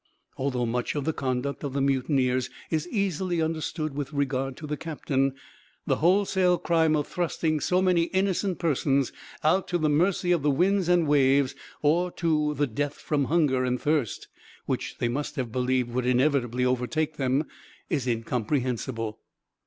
Although much of the conduct of the mutineers is easily understood with regard to the captain, the wholesale crime of thrusting so many innocent persons out to the mercy of the winds and waves, or to the death from hunger and thirst which they must have believed would inevitably overtake them, is incomprehensible.